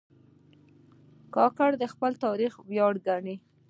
کاکړ د خپل تاریخ ویاړ ګڼي.